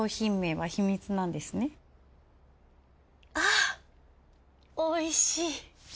あおいしい。